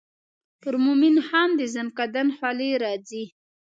پر مومن خان د زکندن خولې راځي.